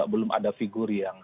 belum ada figur yang